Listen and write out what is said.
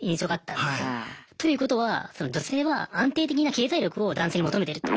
ということは女性は安定的な経済力を男性に求めてると。